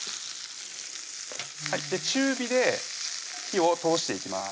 中火で火を通していきます